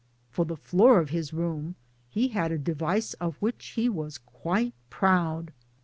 For the floor of his room he had a device of which he was quite proud.